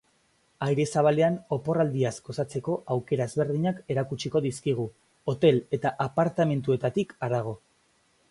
Aire zabalean oporraldiaz gozatzeko aukera ezberdinak erakutsiko dizkigu, hotel eta apartamentuetatik harago.